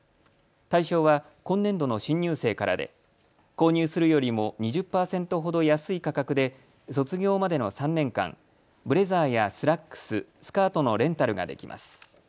対象は今年度の新入生からで購入するよりも２０％ほど安い価格で卒業までの３年間、ブレザーやスラックス、スカートのレンタルができます。